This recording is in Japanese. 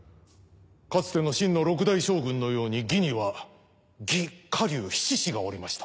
かつての秦の六大将軍のように魏には魏火龍七師がおりました。